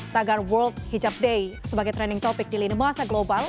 tagar world hijab day sebagai trending topic di lini masa global